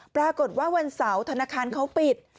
ปรากฏว่าวันเสาร์ธนาคารเขาปิด